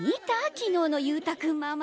昨日の勇太君ママ。